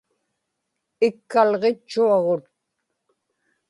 ikkalġitchuagut